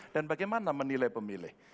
dan bagaimana menilai pemilih